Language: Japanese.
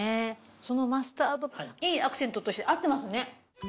そのマスタードいいアクセントとして合ってますね。